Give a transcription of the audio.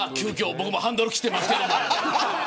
僕もハンドルを切ってますけど。